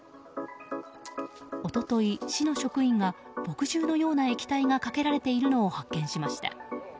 一昨日、市の職員が墨汁のような液体がかけられているのを発見しました。